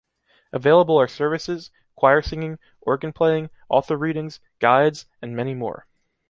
Available are Services, choir singing, organ playing, author readings, guides and many more.